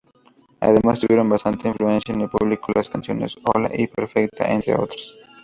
Además, tuvieron bastante influencia en el público las canciones "Hola" y "Perfecta", entre otras.